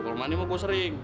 kalau mandi mah gue sering